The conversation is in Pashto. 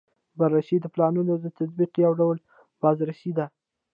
بررسي د پلانونو د تطبیق یو ډول بازرسي ده.